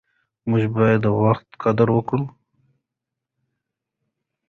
موږ باید د وخت قدر وکړو.